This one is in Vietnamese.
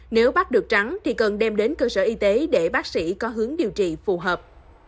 nếu bắt được trắng thì cần đem đến cơ sở y tế để bác sĩ có hướng điều trị phù hợp